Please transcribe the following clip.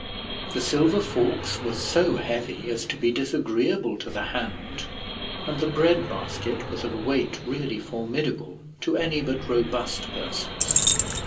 The silver forks were so heavy as to be disagreeable to the hand, and the bread basket was of a weight really formidable to any but robust persons.